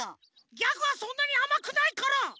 ギャグはそんなにあまくないから！